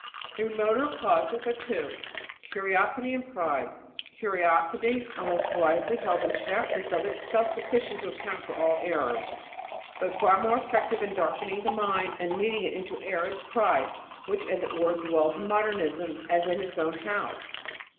The remoter causes are two: curiosity and pride. Curiosity, unless wisely held in check, is of itself sufficient to account for all errors. But far more effective in darkening the mind and leading it into error is pride, which, as it were, dwells in Modernism as in its own house.